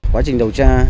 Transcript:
quá trình đầu tra